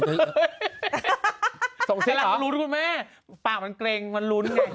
หรือรู้คุณแม่ปากมันเกรงมันรุ้นไง